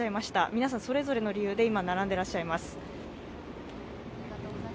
皆さん、それぞれの理由で今、並んでらっしゃいます。